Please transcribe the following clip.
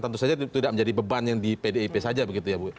tentu saja tidak menjadi beban yang di pdip saja begitu ya bu